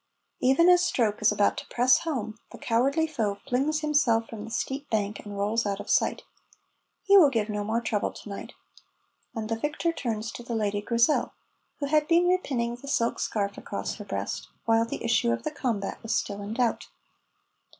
Even as Stroke is about to press home, the cowardly foe flings himself down the steep bank and rolls out of sight. He will give no more trouble to night; and the victor turns to the Lady Grizel, who had been repinning the silk scarf across her breast, while the issue of the combat was still in doubt.